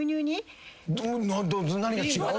ど何が違う？